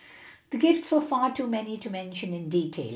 The gifts were far too many to mention in detail.